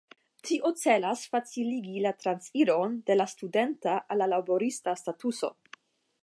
Tio celas faciligi la transiron de la studenta al la laborista statuso.